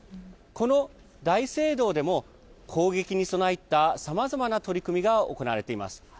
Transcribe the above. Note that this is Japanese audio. この大聖堂でも攻撃に備えたさまざまな取り組みが行われています。